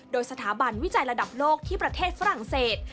โดยสถาบันวิจัยระดับโลกที่ประเทศฝรั่งเศส